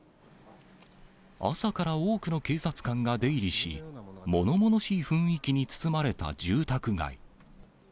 朝から多くの警察官が出入りし、ものものしい雰囲気に包まれた住宅街。